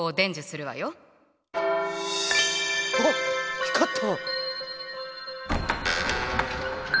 おっ光った！